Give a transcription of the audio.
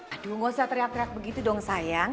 aduh gausah teriak teriak begitu dong sayang